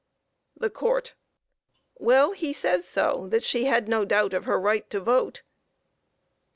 THE COURT: Well, he says so, that she had no doubt of her right to vote.